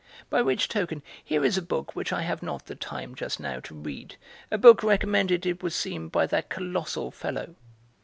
By which token, here is a book which I have not the time, just now, to read, a book recommended, it would seem, by that colossal fellow.